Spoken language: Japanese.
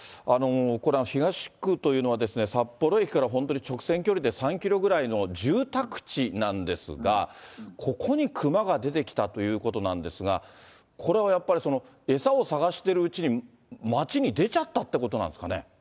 これ、東区というのは、札幌駅から本当に直線距離で３キロぐらいの住宅地なんですが、ここに熊が出てきたということなんですが、これはやっぱり、餌を探しているうちに街に出ちゃったってことなんですかね。